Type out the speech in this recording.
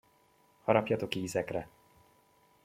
Harapjatok ízekre!